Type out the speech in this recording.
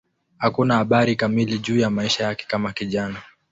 Hakuna habari kamili juu ya maisha yake kama kijana.